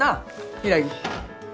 柊。